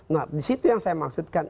nah disitu yang saya maksudkan